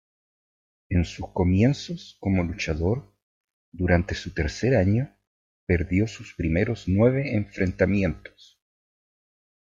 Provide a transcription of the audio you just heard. En sus comienzos como luchador durante su tercer año perdió sus primeros nueve enfrentamientos.